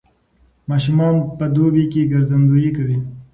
ماشومان په دوبي کې ګرځندويي کوي.